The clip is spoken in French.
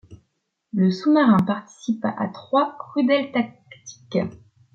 Le sous-marin participa à trois Rudeltaktik.